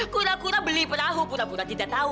kura kura beli perahu pura pura tidak tahu